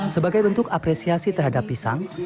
sebagai bentuk apresiasi terhadap pisang